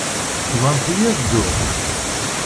Tebɣamt-iyi ad dduɣ?